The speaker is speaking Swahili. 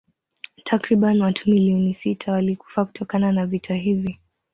Takriban watu milioni sitini walikufa kutokana na vita hivi